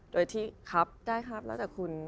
โดยที่ครับได้ครับแล้วแต่คุณ